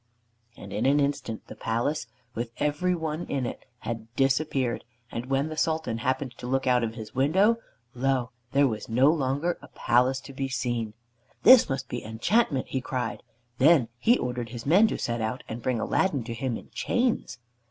And in an instant the palace, with every one in it, had disappeared, and when the Sultan happened to look out of his window, lo! there was no longer a palace to be seen. "This must be enchantment," he cried. Then he ordered his men to set out and bring Aladdin to him in chains.